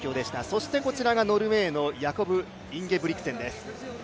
そしてこちらがノルウェーのヤコブ・インゲブリクセンです。